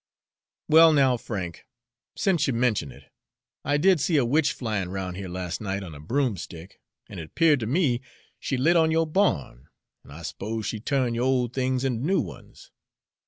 "Well, now, Frank, sence you mention it, I did see a witch flyin' roun' here las' night on a broom stick, an' it 'peared ter me she lit on yo'r barn, an' I s'pose she turned yo'r old things into new ones.